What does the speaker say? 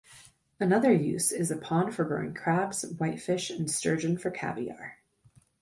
Another use is a pond for growing crabs, whitefish and sturgeon for caviar.